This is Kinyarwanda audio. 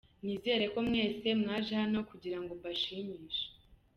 Nizere ko mwese mwaje hano kugira ngo mbashimishe.